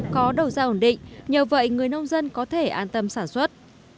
có đầu ra ổn định nhờ vậy người nông dân có thể an tâm sản xuất